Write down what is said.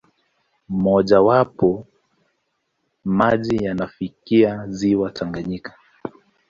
Mmojawapo, maji yanafikia ziwa Tanganyika.